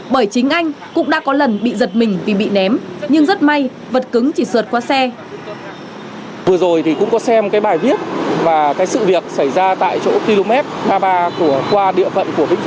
bởi chính anh cũng đã có lần bị giật mình vì bị ném nhưng rất may vật cứng chỉ sượt qua xe